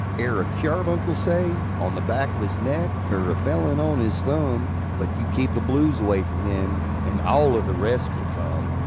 Er a cyarbuncle, say, on the back of his neck, Er a felon on his thumb, But you keep the blues away from him, And all o' the rest could come!